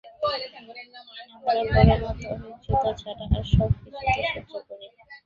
আমরা পরমত-অসহিষ্ণুতা ছাড়া আর সব কিছুই সহ্য করি।